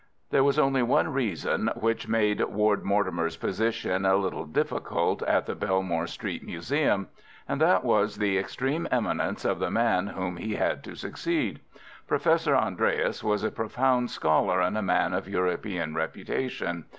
There was only one reason which made Ward Mortimer's position a little difficult at the Belmore Street Museum, and that was the extreme eminence of the man whom he had to succeed. Professor Andreas was a profound scholar and a man of European reputation.